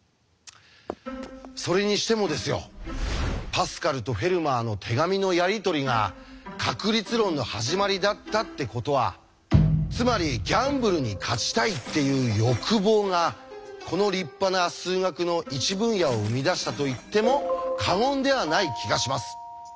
それにしてもですよパスカルとフェルマーの手紙のやり取りが確率論の始まりだったってことはつまりギャンブルに勝ちたいっていう欲望がこの立派な数学の一分野を生み出したと言っても過言ではない気がします。